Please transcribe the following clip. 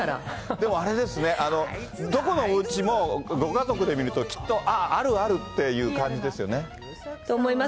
でも、あれですね、どこのおうちもご家族で見ると、ああ、きっと、ああ、あるあるっと思います。